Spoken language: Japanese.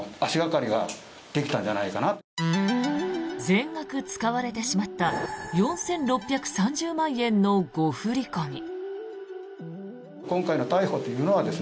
全額使われてしまった４６３０万円の誤振り込み。